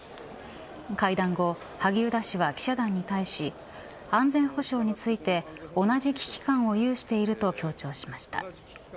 会談後、萩生田氏は記者団に対し安全保障について同じ危機感を有していると強調しました。